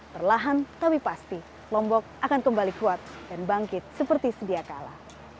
perlahan tapi pasti lombok akan kembali kuat dan bangkit seperti sedia kala